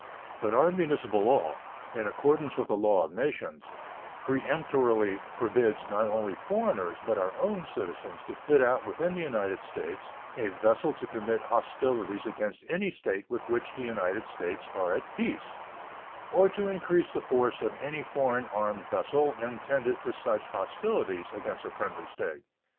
But our municipal law, in accordance with the law of nations, peremptorily forbids not only foreigners, but our own citizens, to fit out within the United States a vessel to commit hostilities against any state with which the United States are at peace, or to increase the force of any foreign armed vessel intended for such hostilities against a friendly state.